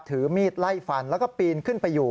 ถือมีดไล่ฟันแล้วก็ปีนขึ้นไปอยู่